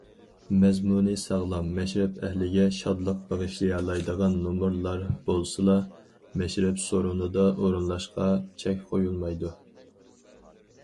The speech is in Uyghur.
مەزمۇنى ساغلام، مەشرەپ ئەھلىگە شادلىق بېغىشلىيالايدىغان نومۇرلار بولسىلا، مەشرەپ سورۇنىدا ئورۇنلاشقا چەك قويۇلمايدۇ.